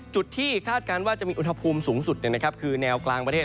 ที่คาดการณ์ว่าจะมีอุณหภูมิสูงสุดคือแนวกลางประเทศ